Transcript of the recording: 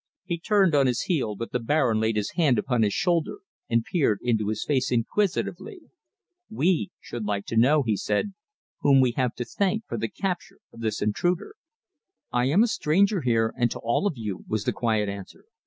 He turned on his heel, but the Baron laid his hand upon his shoulder and peered into his face inquisitively. "We should like to know," he said, "whom we have to thank for the capture of this intruder!" "I am a stranger here, and to all of you," was the quiet answer.